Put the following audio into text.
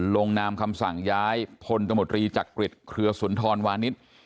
ลงนามคำสั่งย้ายพลตมตรีจักริจเครือสุนทรวานิส